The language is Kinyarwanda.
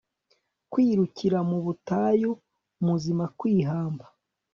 kwirukira mu butayu, muzima, kwihamba